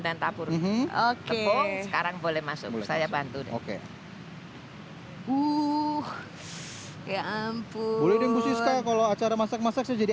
dan tapur oke sekarang boleh masuk saya bantu deh oke uh ya ampun kalau acara masak masak jadi